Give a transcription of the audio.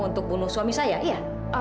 untuk bunuh suami saya iya